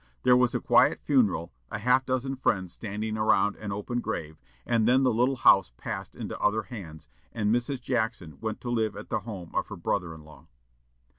There was a quiet funeral, a half dozen friends standing around an open grave, and then the little house passed into other hands, and Mrs. Jackson went to live at the home of her brother in law.